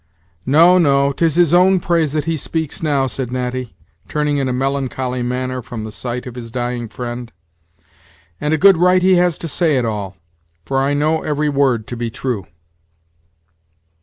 "No, no 'tis his own praise that he speaks now," said Natty, turning in a melancholy manner from the sight of his dying friend; "and a good right he has to say it all, for I know every word to be true."